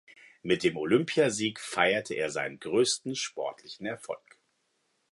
Mit dem Olympiasieg feierte er seinen größten sportlichen Erfolg.